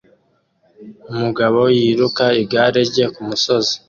Umugabo yiruka igare rye kumusozi